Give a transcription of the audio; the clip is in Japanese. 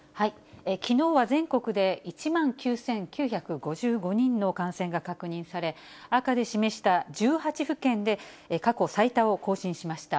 きのうは全国で１万９９５５人の感染が確認され、赤で示した１８府県で過去最多を更新しました。